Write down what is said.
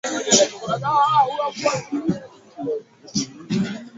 a comoro sawa sawa ugiriki nako wanataka kufanya uchaguzi lakini kuanze na